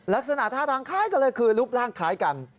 ลักษณะท่าทางคล้ายกันเลยคือรูปร่างคล้ายกัน